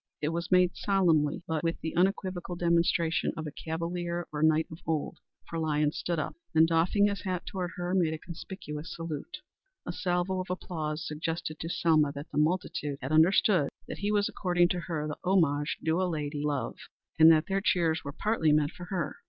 It was made solemnly, but with the unequivocal demonstration of a cavalier or knight of old, for Lyons stood up, and doffing his hat toward her, made a conspicuous salute. A salvo of applause suggested to Selma that the multitude had understood that he was according to her the homage due a lady love, and that their cheers were partly meant for her.